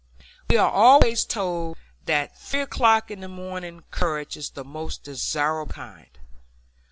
We are always told that three o'clock in the morning courage is the most desirable kind.